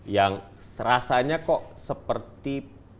yang rasanya kok seperti